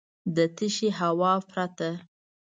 د تشې هوا پرته .